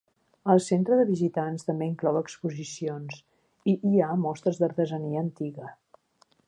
El centre de visitants també inclou exposicions, i hi ha mostres d'artesania antiga.